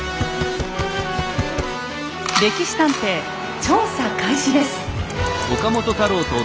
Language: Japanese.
「歴史探偵」調査開始です！